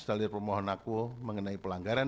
salir pemohon aku mengenai pelanggaran